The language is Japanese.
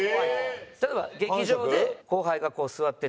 例えば劇場で後輩がこう座ってて。